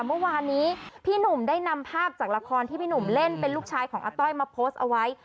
เมื่อวานนี้พี่หนุ่มได้นำภาพจากละครที่พี่หนุ่มเล่นเป็นลูกชายของอาต้อยมาโพสต์เอาไว้